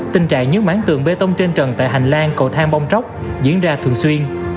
tình trạng như máng tường bê tông trên trần tại hành lan cầu thang bông tróc diễn ra thường xuyên